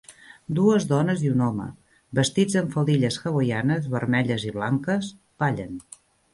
Dues dones i un home, vestits amb faldilles hawaianes vermelles i blanques, ballen.